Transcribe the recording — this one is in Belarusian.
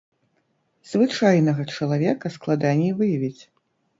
Звычайнага чалавека складаней выявіць.